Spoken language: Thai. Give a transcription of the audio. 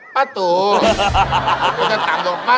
๗โมงเศร้า